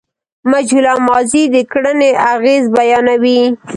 مجهوله ماضي د کړني اغېز بیانوي.